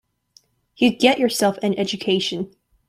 You get yourself an education.